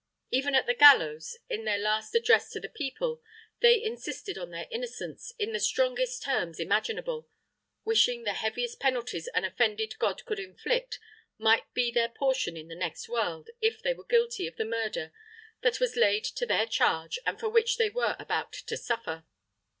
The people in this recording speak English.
Even at the gallows, in their last addresses to the people, they insisted on their innocence in the strongest terms imaginable; wishing the heaviest penalties an offended God could inflict might be their portion in the next world, if they were guilty of the murder that was laid to their charge and for which they were about to suffer.